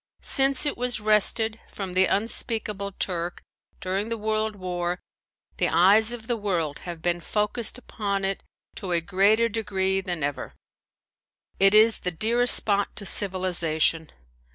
Since it was wrested from the unspeakable Turk during the world war, the eyes of the world have been focused upon it to a greater degree than ever. It is the dearest spot to civilization.